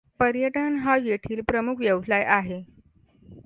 पर्यटन हा येथील प्रमुख व्यवसाय आहे.